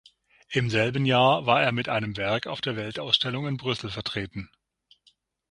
Im selben Jahr war er mit einem Werk auf der Weltausstellung in Brüssel vertreten.